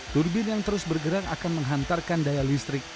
turbin yang terus bergerak akan menghantarkan daya listrik